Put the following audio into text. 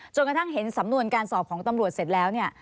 กระทั่งเห็นสำนวนการสอบของตำรวจเสร็จแล้วเนี่ย